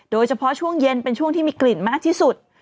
โดยเฉพาะช่วงเย็นเป็นช่วงที่มีกลิ่นมากที่สุด